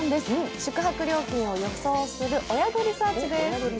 宿泊料金を予想する「お宿リサーチ」です。